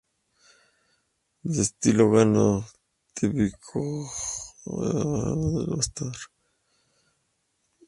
De estilo gótico tardío renacentista, la fábrica tiene su origen en el siglo.